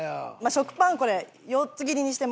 食パンこれ四つ切りにしてます。